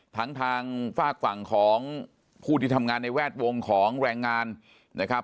ทางฝากฝั่งของผู้ที่ทำงานในแวดวงของแรงงานนะครับ